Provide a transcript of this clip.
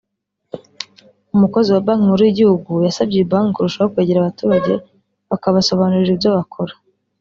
umukozi wa Banki Nkuru y’Igihugu yasabye iyi banki kurushaho kwegera abaturage bakabasobanurira ibyo bakora